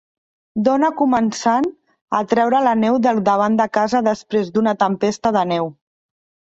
Dona començant a treure la neu del davant de casa després d'una tempesta de neu.